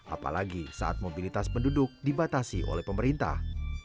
apalagi saat mobilitas penduduk dibatasi oleh pemerintah